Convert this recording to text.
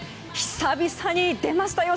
久々に出ましたよ！